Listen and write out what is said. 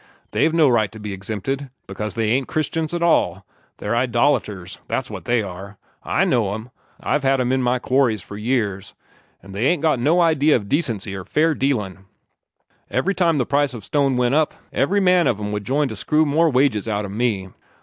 They've no right to be exempted, because they ain't Christians at all. They're idolaters, that's what they are! I know 'em! I've had 'em in my quarries for years, an' they ain't got no idee of decency or fair dealin'. Every time the price of stone went up, every man of 'em would jine to screw more wages out o' me.